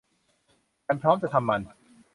ฉันพร้อมจะทำมัน